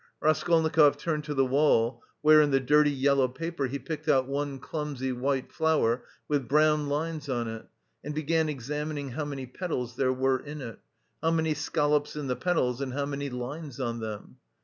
Raskolnikov turned to the wall where in the dirty, yellow paper he picked out one clumsy, white flower with brown lines on it and began examining how many petals there were in it, how many scallops in the petals and how many lines on them.